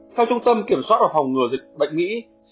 theo trung tâm kiểm soát hồng ngừa dịch bệnh mỹ